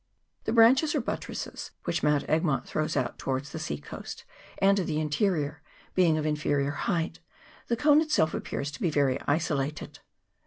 The branches or buttresses which Mount Egmont throws out towards the sea coast and to the interior being of inferior height, the cone itself appears to be very isolated.